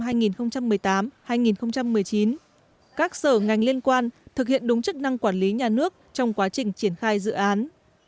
trong năm hai nghìn một mươi tám hai nghìn một mươi chín các sở ngành liên quan thực hiện đúng chức năng quản lý nhà nước trong quá trình triển khai dự án